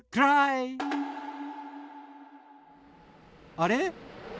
あれ？